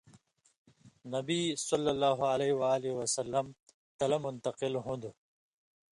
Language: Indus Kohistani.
نبی ﷺ تلہ منتقل ہُون٘دوۡ۔